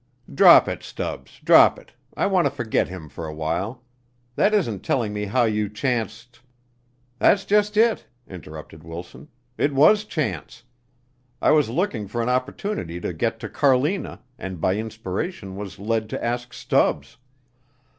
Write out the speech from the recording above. "Drop it, Stubbs! Drop it! I want to forget him for a while. That isn't telling me how you chanced " "That's just it," interrupted Wilson. "It was chance. I was looking for an opportunity to get to Carlina, and by inspiration was led to ask Stubbs.